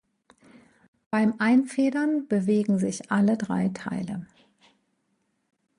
Beim Einfedern bewegen sich alle drei Teile.